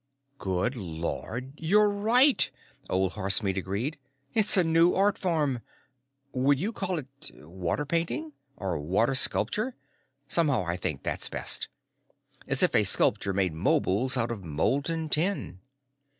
"Good Lord, you're right," Old Horsemeat agreed. "It's a new art form. Would you call it water painting? Or water sculpture? Somehow I think that's best. As if a sculptor made mobiles out of molten tin."